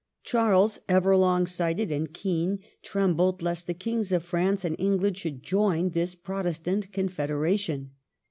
Charles, ever long sighted and keen, trembled lest the Kings of France and England should join this Protestant Confedera tion.